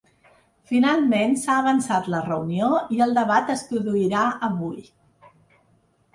Finalment s’ha avançat la reunió i el debat es produirà avui.